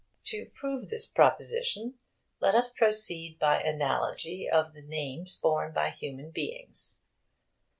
To prove this proposition, let us proceed by analogy of the names borne by human beings.